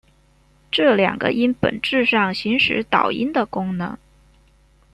这两个音本质上行使导音的功能。